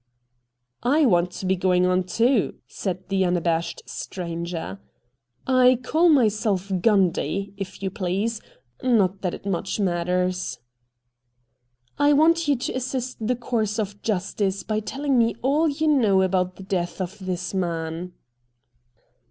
' I want to be going on, too,' said the un abashed stranger. ' I call myself Gundy, if you please — not that it much matters.' 'I want you to assist the course of justice by telling me all you know about the death of this man.'